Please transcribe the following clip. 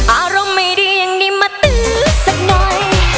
อารมณ์ไม่ดีอย่างนี้มาตื้อสักหน่อย